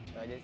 itu aja sih